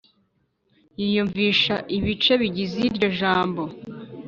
yiyumvisha ibice bigize iryo jambo,